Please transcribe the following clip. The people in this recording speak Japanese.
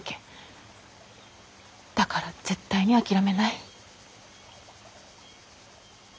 だから絶対に諦めない。